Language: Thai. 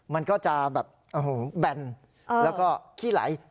มันก็จะแบนแล้วก็ขี้ไหล